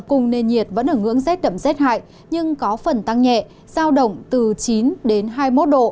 cùng nền nhiệt vẫn ở ngưỡng rất đậm rất hại nhưng có phần tăng nhẹ giao động từ chín hai mươi một độ